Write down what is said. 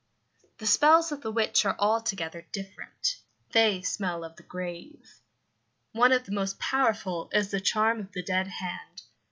The spells of the witch are altogether different; they smell of the grave. One of the most powerful is the charm of the dead hand.